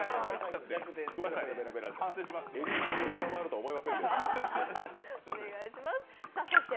エリンギを下回るとは思いませんでした。